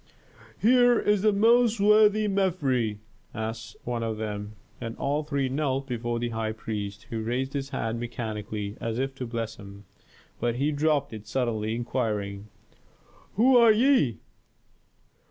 "Here is the most worthy Mefres," said one of them. And all three knelt before the high priest, who raised his hand mechanically, as if to bless them. But he dropped it suddenly, inquiring, "Who are ye?"